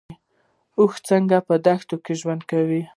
اوښ څنګه په دښته کې ژوند کوي؟